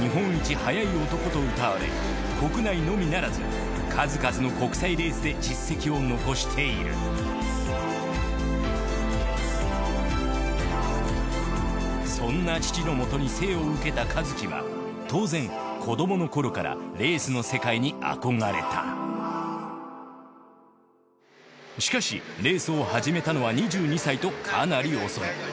速い男とうたわれ国内のみならず数々の国際レースで実績を残しているそんな父のもとに生を受けた一樹は当然子どもの頃からレースの世界に憧れたしかしレースを始めたのは２２歳とかなり遅い。